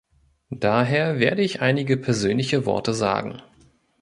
Daher werde ich einige persönliche Worte sagen.